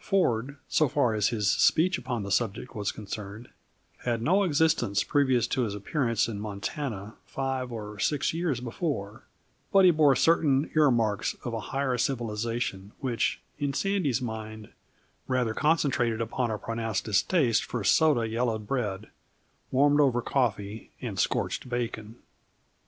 Ford, so far as his speech upon the subject was concerned, had no existence previous to his appearance in Montana, five or six years before; but he bore certain earmarks of a higher civilization which, in Sandy's mind, rather concentrated upon a pronounced distaste for soda yellowed bread, warmed over coffee, and scorched bacon.